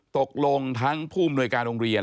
ตกลงทั้งผู้อำนวยการโรงเรียน